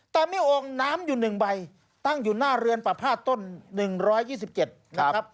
แต่มีโอ่งน้ำอยู่๑ใบตั้งอยู่หน้าเรือนประพาทต้น๑๒๗นะครับ